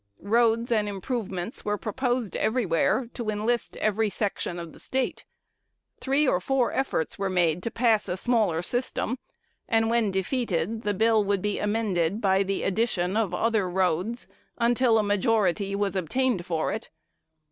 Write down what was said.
Roads and improvements were proposed everywhere, to enlist every section of the State. Three or four efforts were made to pass a smaller system; and, when defeated, the bill would be amended by the addition of other roads, until a majority was obtained for it.